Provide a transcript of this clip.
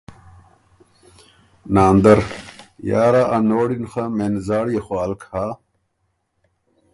ناندر ـــ”یار ا نوړي ن خه مېن زاړيې خوالک هۀ۔